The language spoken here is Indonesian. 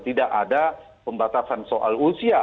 tidak ada pembatasan soal usia